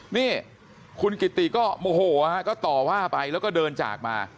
นี่คุณกิติก็โมโหฮะก็ต่อว่าไปแล้วก็เดินจากมา